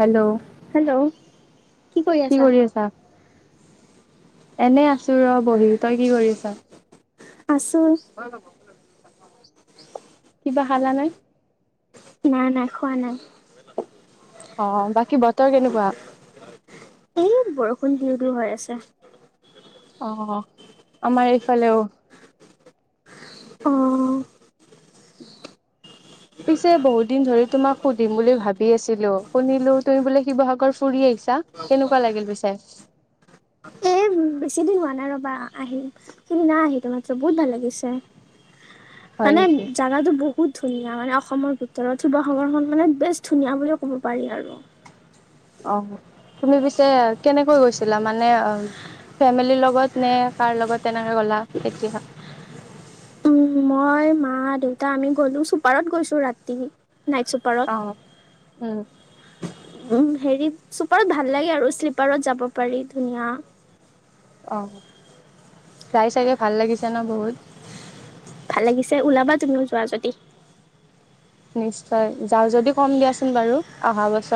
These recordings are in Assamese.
হেল্ল' হেল্ল' কি কৰি আছা এনে আছো ৰ বহি তই কি কৰি আছা আছো [inaudible] কিবা খালা নে নাই নাই খোৱা নাই। অ বাকী বতৰ কেনেকুৱা? এই বৰষুণ দিওঁ দিও হৈ আছে। অ' আমাৰ এইফালে অ' পিছে বহুত দিন ধৰি তোমাক সুধিম বুলি ভাবি আছিলো শুনিলো তুমি বোলে শিৱসাগৰ ফুৰি আহিছা কেনেকুৱা লাগিল পিছে এই বেছি দিন হোৱা নাই ৰবা আহিম খিদিনা নাই আহিলো মাত্ৰ বহুত ভাল লাগিছে হয় মানে নেকি জাগাটো বহুত, ধুনীয়া মানে অসমৰ ভিতৰত শিৱাসৰখন মানে বেছ ধুনীয়া ব বুলি ক'ব পাৰি আৰু অ' তুমি পিছে কেনেকৈ গৈছিলা মানে ফেমিলিৰ লগত নে কাৰ লগত তেনেকে গলা তেতিয়া উম মই মা দেউতা আমি গ'লো চুপাৰত গৈছো ৰাতি নাইট চুপাৰত। অ' উম উম হেৰি চুপাৰত ভাল লাগে আৰু শ্লিপাৰত যাব পাৰি ধুনীয়া অ' যাই চাগে ভাল লাগিছে ন বহুত যোৱাজতি নিশ্চয়! যাওঁ যদি কম দিয়াচোন বাৰু অহা বছ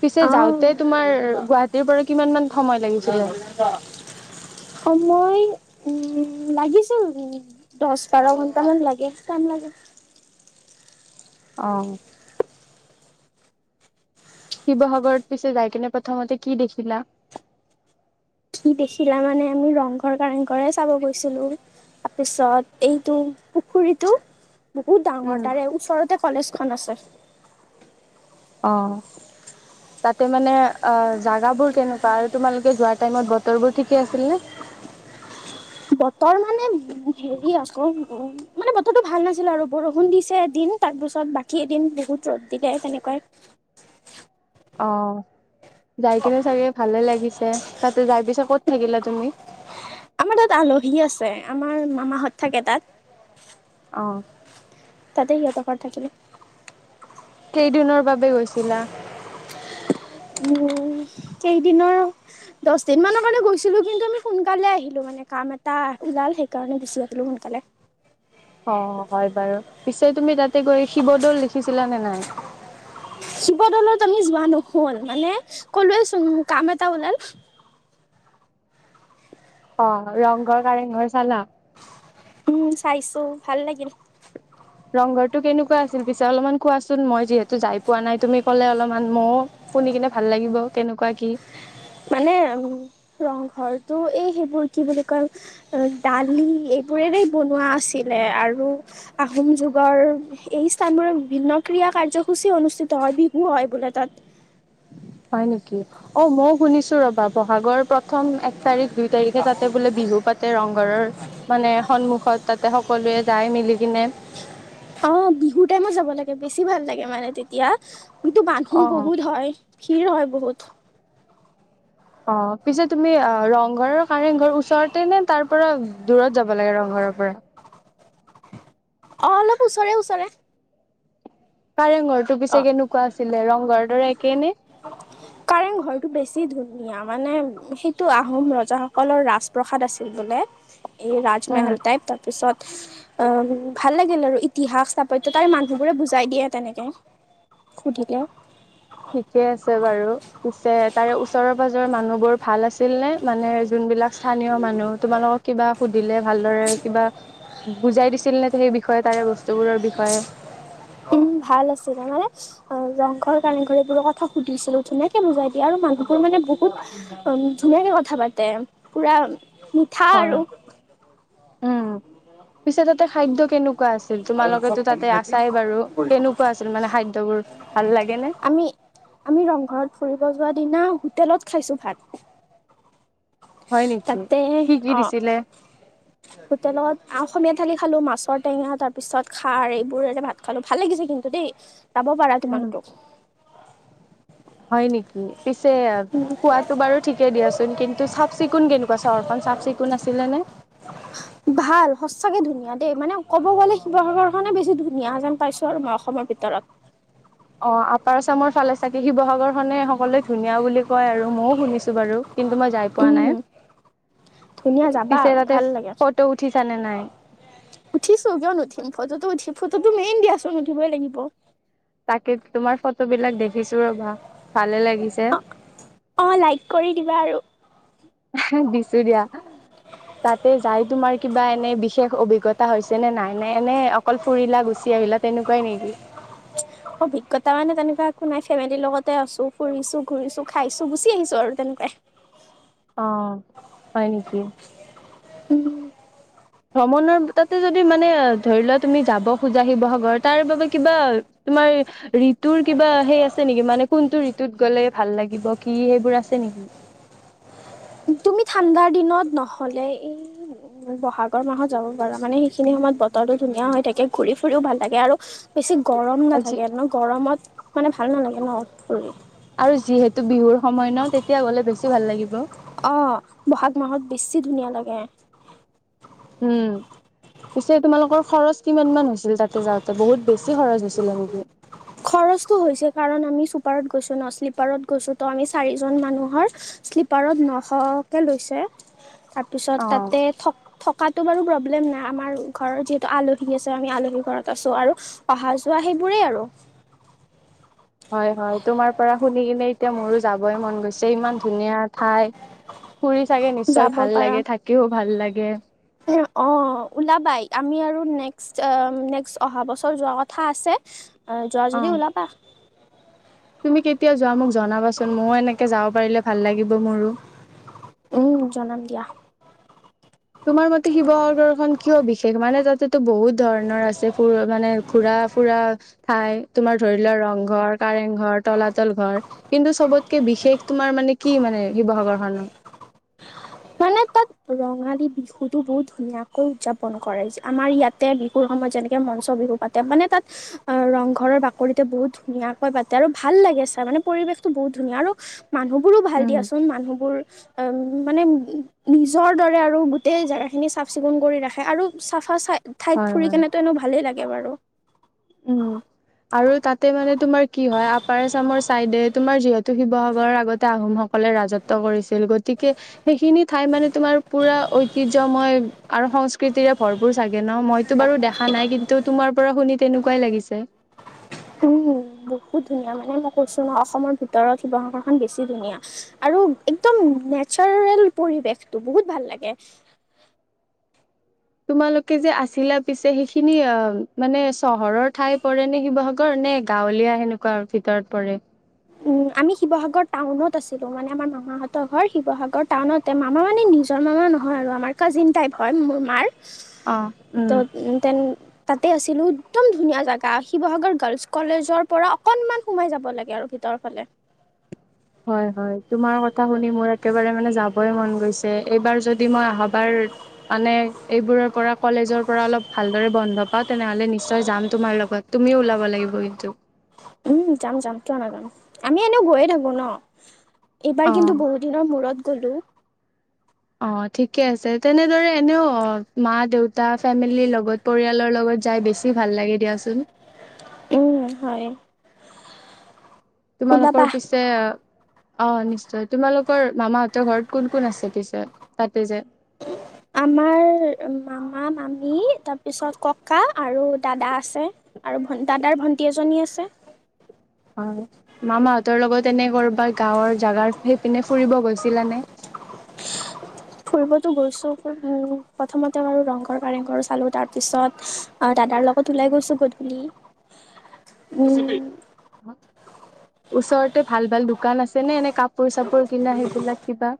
পিছে যাওঁতে অ অ তোমাৰ, ৰ, গুৱাহাটীৰ পৰা কিমানমান সময় লাগিছিলে? ময়, উম, লাগিছিল! উম। দশ, বাৰ ঘণ্টামান লাগে। টাইম লাগে। অহ। শিৱসাগৰত পিছে যাই কেনে প্ৰথমতে কি দেখিলা? কি দেখিলা! মানে আমি ৰংঘৰ, কাৰেংঘৰে চাব গৈছিলো। তাৰপিছত এইটো, পুখুৰীটো বহুত ডাঙৰ। তাৰে ওচৰতে কলেজখন আছে। অ'। তাতে মানে, আ, জাগাবোৰ কেনেকুৱা আৰু তোমালোকে যোৱা টাইমত বতৰবোৰ ঠিকে আছিল নে? বতৰ মানে, উম, হেৰি আকৌ! উম মানে বতৰটো ভাল নাছিলে আৰু বৰষুণ দিছে এদিন। তাৰপিছত বাকী এদিন বহুত ৰ'দ দিলে, তেনেকুৱাই। অ'। যাই কেনে চাগে ভালে লাগিছে। তাতে যাই পিছে ক'ত ক'ত থাকিলা তুমি? আমাৰ তাত আলহী আছে। আমাৰ মামাহঁত থাকে তাত। অ'। তাতেই সিহঁতৰ ঘৰত থাকিলে। কেইদিনৰ বাবে গৈছিলা? উস, কেইদিনৰ! দছদিনমানৰ কাৰণে গৈছিলোঁ, কিন্তু আমি সোনকালে আহিলোঁ মানে কাম এটা ওলাল সেইকাৰণে আহিলোঁ সোনকালে। অ', হয় বাৰু, পিছে তুমি তাত তে গৈ শিৱদৌল লিখিছিলা নে নাই? শিৱদৌলত আমি যোৱা নহ'ল মানে ক'লোৱে চোন কাম এটা ওলাল। অ', ৰংঘৰ, কাৰেংঘৰ চালা? উম, চাইছো ভাল লাগিল। ৰংঘৰটো কেনেকুৱা আছিল পিছে? অলপমান কোৱাচোন মই যিহেতু যায় পোৱা নাই তুমি ক'লে অলপমান ময়ো শুনি কিনে ভাল লাগিব কেনেকুৱা কি। মানে ৰংঘৰটো এই সেইবোৰ কি বুলি কয় দালি এইবোৰেৰেই বনোৱা আছিলে আৰু আহোম যুগৰ এই স্থানবোৰত বিভিন্ন ক্ৰীড়া, কাৰ্যসূচী অনুষ্ঠিত হয়, বিহু হয় বোলে তাত। হয় নেকি, অ' মই শুনিছো ৰ'বা ব'হাগৰ প্ৰথম এক তাৰিখ দুই তাৰিখে তাতে বোলে বিহু পাতে ৰংঘৰৰ, মানে সন্মু খত তাতে সকলোৱে যায় মিলি কিনে। অঁ, বিহু টাইমত যাব লাগে বেছি ভাল লাগে মানে তেতিয়া। কিন্তু মানুহ অ বহুত হয়। ভিৰ হয় বহুত। অঁ, পিছে তুমি আ ৰংঘৰ আৰু কাৰেংঘৰ ওচৰতে নে তাৰ পৰা দূৰত যাব লাগে ৰংঘৰৰ পৰা? অঁ, অলপ ওচৰে ওচৰে। কাৰেংঘৰটো অ পিছে কেনেকুৱা আছিলে ৰংঘৰ ৰে একে নে? কাৰেং ঘৰটো বেছি ধুনীয়া মানে সেইটো আহোম ৰজাসকলৰ ৰাজপ্ৰসাদ আছিল বোলে। এই উম ৰাজমহল টাইপ, তাৰ পিছত অঁ, ভাল লাগিল আৰু ইতিহাস স্থাপত্যটা মানুহবোৰে বুজাই দিয়ে তেনেকে, সুধিলে। ঠিকে আছে বাৰু পিছে তাৰে ওচৰৰ পাজৰৰ মানুহ বোৰ ভাল আছিল নে মানে যোনবিলাক স্থানীয় মানুহ তোমালোকক কিবা সুধিলে ভালদৰে কিবা বুজাই দিছিল নে সেই বিষয়ে তাৰে বস্তু উম ভাল আছিল, মানে অঁ, ৰংঘৰ কাৰেংঘৰ এইবোৰৰ কথা সুধিছিলো ধুনীয়াকে বোজাই দিয়ে আৰু মানুহ বোৰ মানে বহুত, উম, ধুনীয়াকে ক কথা পাতে, পুৰা মিঠা হয় আৰু। উম পিছে তাতে খাদ্য কেনক কুৱা আছিল তোমালোকে তাতে আছাই বাৰু, কেনেকুৱা আছিল মানে খাদ্যবোৰ, ভাল লাগে নে? আমি আমি ৰংঘৰত ফুৰিব যোৱা দিনা হোটেলত খাইছো ভাত। হয় নেকি, তাতে কি কি অ দিছিলে? হোটেলত আ অসমীয়া থালি খালো, মাছৰ টেঙা তাৰ পিছত খাৰ এইবোৰেৰে ভাত খালো, ভাল লাগিছে কিন্তু দেই। যাব পাৰা উম তোমালোকেও। হয় নেকি? পিছে, খোৱাটো বাৰু ঠিকে দিয়াচোন কিন্তু চাফ চিকুণ কেনেকুৱা চহৰখন চাফ চিকুণ আছিলে নে? সিহঁতে মানে ক'ব গ'লে শিৱসাগৰখনে বেছি ধুনীয়া যেন পাইছো আৰু মই অসমৰ ভিতৰত। অঁ, আপাৰ আচামৰ ফালে চাগে শিৱসাগৰ খনে সকলোৱে ধুনীয়া বুলি ক কয় আৰু মইও শুনিছো বাৰু কিন্তু মই যাই পোৱা উম নাই, ধুনীয়া যাবা পিছে তাতে ভাল ফ লাগে ফটো উঠিছ নে নাই? উঠিছো, কিয় নুঠিম, ফটোটো উঠি ফটোটো মেইন দিয়াচোন উঠিবই লাগিব। তাকে তোমাৰ ফটো বিলাক দেখিছো ৰ'বা, ভালে লাগে অ অ লাইক কৰি দিবা আৰু দিছো দিয়া তাতে যাই তোমাৰ কিবা এনে বিশেষ অভিজ্ঞতা হৈছে নে নাই নাই এনে অকল ফুৰিলা গুচি আহিলা তেনেকুৱাই নেকি অভিজ্ঞতা মানে তেনেকুৱা একো নাই ফেমিলিৰ লগতে আছো ফুৰিছো ঘূৰিছো খাইছো গুচি আহিছো আৰু তেনেকুৱাই অ হয় নেকি উম ভ্ৰমণৰ তাতে যদি মানে ধৰি লোৱা তুমি যাব খোজা শিৱসাগৰ তাৰ বাবোবে কিবা তোমাৰ ঋতুৰ কিবা সেই আছে নেকি মানে কোনটো ঋতুত গলে ভাল লাগিব কি সেইবোৰ আছে নেকি তুমি ঠাণ্ডাৰ দিনত নহলে এই বহাগৰ মাহত যাব পাৰা মানে সেইখিনি সময়ত বতৰটোো ধুনীয়া হৈ থাকে ঘুৰি ফুৰিও ভাল লাগে আৰু বেছি গৰম যি নাথাকে ন গৰমত মানে ভাল নালাগে ন ফুল আৰু যিহেতু বিহুৰ সময় ন তেতিয়া গলে বেছি ভাল লাগিব। অৱ বহাগ মাহত বেছি ধুনীয়া লাগে। উম পিছে তোমালোকৰ খৰচ কিমান মান হৈছিল তাতে যাওঁতে বহুত বেছি খৰচ হৈছিলে নেকি? খৰচটো হৈছে কাৰণ আমি চুপাৰত গৈছো ন শ্লিপাৰত গৈছো তু আমি চাৰিজন মানুহৰ শ্লীপাৰত নশকে লৈছে। অ তাৰপিছত তাতে থক থক থকাতো বাৰু প্ৰব্লেম নাই আমাৰ ঘৰত যিহেতু আলহী আছে আমি আলহী ঘৰত আছো আৰু অহা যোৱা সেইবোৰেই আৰু। হয় হয় তোমাৰ পৰা শুনি কিনে এতিয়া মোৰো যাবই মন গৈছে ইমান ধুনীয়া ঠাই। ফুৰি চাগে নিশ্চয় যাব ভাল পাৰা। লাগে থাকিও ভাল লাগে অৱ ওলাবাই আমি আৰু নেক্সট নেক্সট অহা বছৰ যোৱা কথা আছে। এৱ যোৱা যদি অ। ওলাবা। তুমি কেতিয়া যোৱা মোক জনাবাচোন ময়ো এনেকে যাব পাৰিলে ভাল লাগিব মোৰো। উম জনাম দিয়া। তোমাৰ মতে শিৱসাগৰখনন কিয় বিশেষ মানে তাতেতো বহুত ধৰণৰ আছে ফ মানে ঘুৰা ফুৰা ঠাই তোমাৰ ধৰি লোৱা ৰংঘৰ, কাৰেংঘৰ, তলাতল ঘৰ কিন্তু চবতকে বিশেষ তোমাৰ মানে কি মানে শিৱসাগৰ খনৰ? মানে তাত ৰঙালী বিহুতো বহুত ধুনীয়াকৈ উদযাপন কৰে আমাৰ ইয়াতে বিহুৰ সময়ত যেনেকে মঞ্চ বিহু পাতে মানে তাত আহ ৰংঘৰৰ বাকৰিতে বহুত ধুনীয়াকৈ পাতে আৰু ভাল লাগে চাই মানে পৰিৱেশতটো বহুত ধুনীয়া আৰু মানুহবোৰো ভাল উম দিয়াচোন মানুহবোৰ মানে নিজৰ দৰে আৰু গোটেই জেগাখিনি চাফ চিকুণ কৰি ৰাখে আৰু চাফা চাই ঠাইত হয় ফুৰি হয় কেনে তো এনে ভালেই লাগে বাৰু। উম আৰু তাতে মানে তোমাৰ কি হয় আপাৰ আচামৰ চাইডে তোমাৰ যিহেতু শিৱসাগৰৰ আগতে আহোম সকলে ৰাজত্ব কৰিছিল গতিকে সেইখিনি ঠাই মানে তোমাৰ পুৰা ঐতিহ্য ময় আৰু সংস্কৃতিৰে ভৰপুৰ চাগ [unintelligible] মইতো বাৰু দেখা নাই কিন্তু তোমাৰ পৰা শুনিত তেনেকুৱাই লাগিছে উম বহুত ধুনীয়া মানে মই কৈছো ন অসমৰ ভিতৰত শিৱসাগৰখন বেছি ধুনীয়া আৰু একদম নেচাৰেল পৰিৱেশটো বহুত ভাল লাগে তোমালোকে যে আছিলা পিছে সেইখিনি মানে চহৰৰ ঠাই পৰে নে শিৱসাগৰ নে গাঁৱলীয়া সেনেকুৱা ভিতৰত পৰে আমি শিৱসাগৰ টাউনত আছিলোঁ মানে আমাৰ মামাহঁতৰ ঘৰ শিৱসাগৰ টাউনতে মামা মানে নিজৰ মামা নহয় আৰু আমাৰ কাজিন টাইপ হয় মোৰ মাৰ অ উম [unintelligible] তাতে আছিলো একদম ধুনীয়া জাগা শিৱসাগৰ গাৰ্লচ কলেজৰ পৰা অকনমান সোমাই যাব লাগে আৰু ভিত ভিতৰফালে হয় হয় তোমাৰ কথা শুনি মোৰ একেবাৰে মানে যাবই মন গৈছে এইবাৰ যদি মই অহাবাৰ মানে এইবোৰৰ পৰা কলেজৰ পৰা অলপ ভালদৰে বন্ধ পাওঁ তেনেহ'লে নিশ্চয় যাম তোমাৰ লগত তুমিও ওলাব লাগিব কিন্তু। উম, যাম যাম কিয় নাযাম, আমি এনেও গৈয়ে থাকো ন'। এইবাৰ অ কিন্তু বহুত দিনৰ মূৰত গ'লো। অ', ঠিকে আছে, তেনেদৰে এনেও মা দেউতা ফেমিলিৰ লগত পৰিয়ালৰ লগত যায় বেছি ভাল লাগে দিয়াচোন। উম, হয়। তোমালোকৰ ওলাবা পিছে অ', নিশ্চয় তোমালোকৰ মামাহঁতৰ ঘৰত কোন কোন আছে পিছে তাতে যে? আমাৰ মামা, মামী তাৰপিছত ককা আৰু দাদা আছে আৰু দাদাৰ ভণ্টি এজনী আছে। অ', মামাহঁতৰ লগত এনে কৰবা গাঁৱৰ জাগাৰ সেইপিনে ফুৰিব গৈছিলা নে? ফুৰিবটো গৈছোঁ, উম, প্ৰথমতে আৰু ৰংঘৰ কাৰেংঘৰ চালোঁ তাৰপিছত দাদাৰ লগত ওলাই গৈছোঁ গধূলি। [unintelligible] উম ওচৰতে ভাল, ভাল দোকান আছে নে এনে কাপোৰ চাপোৰ কিনা সেইবিলাক কিবা?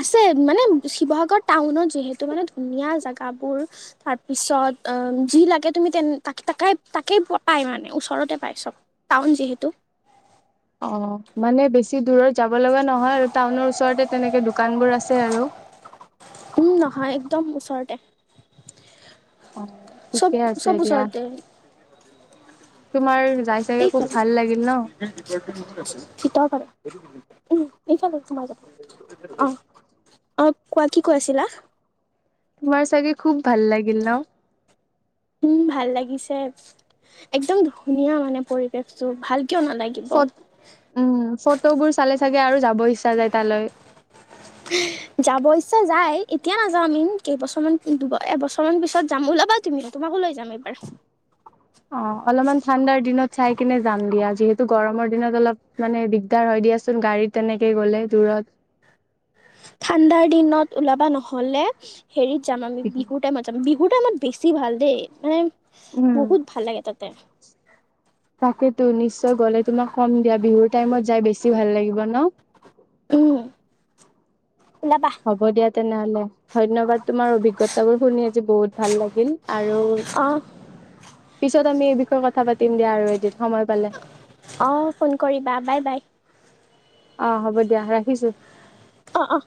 আছে মানে [unintelligible] টাউনত যিহেতু মানে ধুনীয়া জেগাবোৰ তাৰপিছত অ', যি লাগে তুমি তাকে তাকে তাকেই পাই মানে ওচৰতে পাই চব টাউন যিহেতু। অ' মানে বেছি দূৰত যাব লগা নহয় আৰু টাউনৰ ওচৰতে তেনেকে দোকান বোৰ আছে আৰু উম নহয় একদম ওচৰতে, আহ চব ঠিকে আছে চব দিয়া। ওচৰতে তোমাৰ, যাই [unintelligible] চাগে খুব এইফালে ভাল লাগিল ন? অ' অ' কোৱা কি কৈ আছিলা। তোমাৰ চাগে খুউব, ভাল লাগিল ন উম ভাল লাগিছে একদম ধুনীয়া মানে পৰিৱেশ টো ভাল কিয় নালাগিব ফ উম ফটোবোৰ চালে চাগে আৰু যাব ইচ্ছা যায় তালৈ যাব ইচ্ছা যাই এতিয়া নাযাওঁ আমি কেইবছৰমান এবছৰ মান পিছত যাম ওলাবা তুমি তোমাকো লৈ যাম এইবাৰ, অ' অলপমান ঠাণ্ডাৰ দিনত চাই কিনে যাম দিয়া যিহেতু গৰমৰ দিনত অলপ মানে দিগদাৰ হয় দিয়াচোন গাড়ীত তেনেকে গলে দূৰত ঠাণ্ডাৰ দিনত ওলাবা নহলে, হেৰিত যাম আমি বিহুৰ টাইমত যাম বি- -হুৰ টাইমত বেছি ভাল দেই মানে উম বহুত ভাল লাগে তাতে, তাকেতো নিশ্চয় গ'লে তোমাক কম দিয়া বিহুৰ টাইমত যাই বেছি ভাল লাগিব। ব ন [unintelligible] উম [inaudible] হ'ব দিয়া তেনেহলে ধন্যবাদ তোমাৰ অভিজ্ঞতা তাৱৰ শু নি আজি বসুত ভাল লাগিল আৰু অঁ পিছত আমি এই বিষয়ে কথা পাতিম দিয়া আৰু এদিন সময় পালে অ ফোন কৰিবা বাই বাই অ হ'ব দিয়া ৰাখিছো অ অ